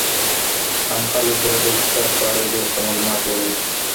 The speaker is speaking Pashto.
عام خلګ به د اقتصاد په اړه ډير ښه معلومات ولري.